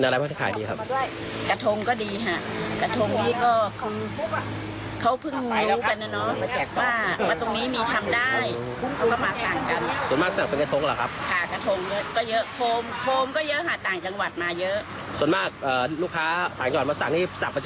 แล้วอย่างกระทงอย่างนี้